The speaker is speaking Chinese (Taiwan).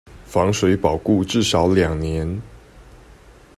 防水保固至少兩年